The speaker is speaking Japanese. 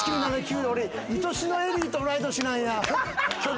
俺『いとしのエリー』と同い年なんや。